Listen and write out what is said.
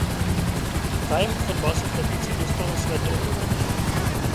Zájem o fotbal se v Teplicích dostal na své dlouhodobé minimum.